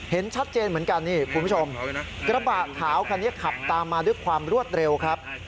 เห็นชัดเจนเหมือนกันนี่คุณผู้ชมกระบะขาวคันนี้ขับตามมาด้วยความรวดเร็วครับ